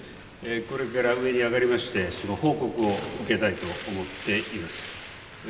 これから上に上がりまして、その報告を受けたいと思っています。